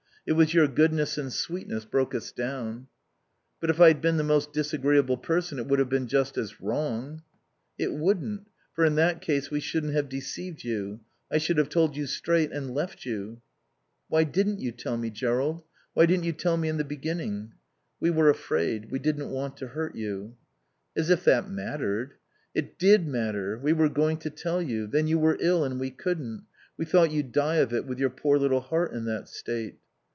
It was your goodness and sweetness broke us down." "But if I'd been the most disagreeable person it would have been just as wrong." "It wouldn't, for in that case we shouldn't have deceived you. I should have told you straight and left you." "Why didn't you tell me, Jerrold? Why didn't you tell me in the beginning?" "We were afraid. We didn't want to hurt you." "As if that mattered." "It did matter. We were going to tell you. Then you were ill and we couldn't. We thought you'd die of it, with your poor little heart in that state."